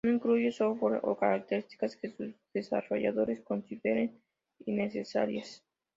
No incluye software o características que sus desarrolladores consideran innecesarias.